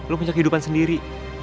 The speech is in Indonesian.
lo punya kehidupan sendiri